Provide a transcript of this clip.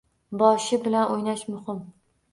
Boshi bilan o'ylash muhim